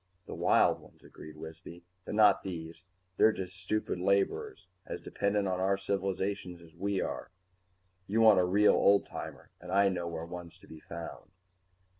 "The wild ones," agreed Wisby. "But not these. They're just stupid laborers, as dependent on our civilization as we are. You want a real old timer, and I know where one's to be found."